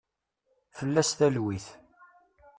Fell-as talwit.